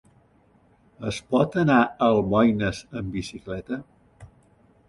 Es pot anar a Almoines amb bicicleta?